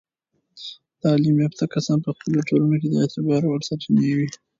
تعلیم یافته کسان په خپلو ټولنو کې د اعتبار وړ سرچینې وي.